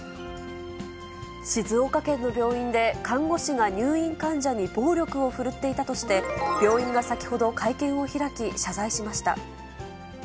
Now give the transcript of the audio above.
静岡県の病院で、看護師が入院患者に暴力を振るっていたとして、病院が先ほど、会見を開き、謝罪しました。